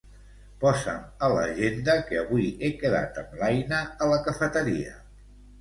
Posa'm a l'agenda que avui he quedat amb l'Aina a la cafeteria.